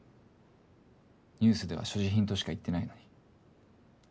ニュースでは「所持品」としか言ってないのに。